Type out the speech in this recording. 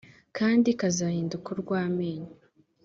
kandi kazahinduka urw’amenyo